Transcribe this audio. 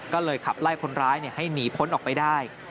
ก็เลยขับไล่คนร้ายให้หนีพ้นออกไปได้